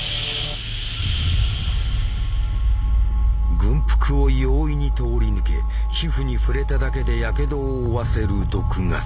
軍服を容易に通り抜け皮膚に触れただけでやけどを負わせる毒ガス。